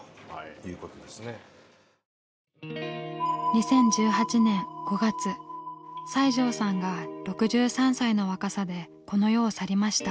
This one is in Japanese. ２０１８年５月西城さんが６３歳の若さでこの世を去りました。